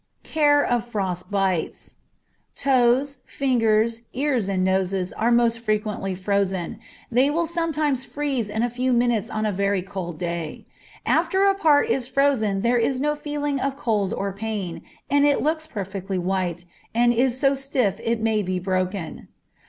Care of Frost bites. Toes, fingers, ears, and noses are most frequently frozen. They will sometimes freeze in a few minutes on a very cold day. After a part is frozen there is no feeling of cold or pain, and it looks perfectly white, and is so stiff it may be broken.